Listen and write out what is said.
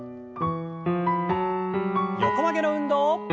横曲げの運動。